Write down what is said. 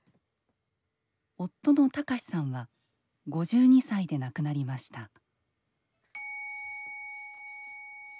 夫の隆さんは５２歳で亡くなりました。